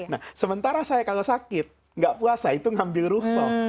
nah sementara saya kalau sakit tidak puasa itu mengambil ruksoh